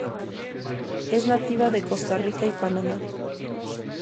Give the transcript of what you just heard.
Es nativa de Costa Rica y Panamá.